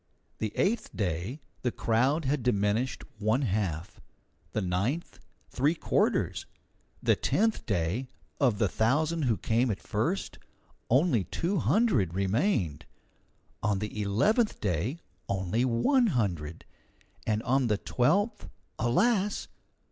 The eighth day the crowd had diminished one half; the ninth, three quarters; the tenth day, of the thousand who came at first, only two hundred remained; on the eleventh day only one hundred; and on the twelfth alas!